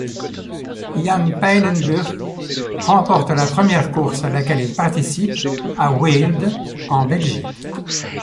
Jan Pijnenburg remporte la première course à laquelle il participe, à Weelde en Belgique.